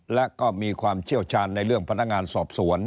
และก็มีความเชี่ยวชาญในเรื่องพนักงานสอบสวน